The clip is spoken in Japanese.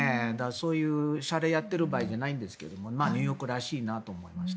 そういうしゃれをやっている場合じゃないんですけどニューヨークらしいなと思いました。